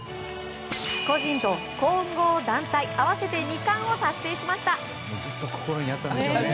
個人と混合団体合わせて２冠を達成しました。